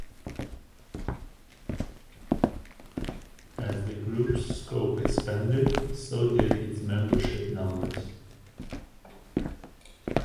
As the group's scope expanded, so did its membership numbers.